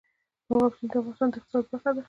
مورغاب سیند د افغانستان د اقتصاد برخه ده.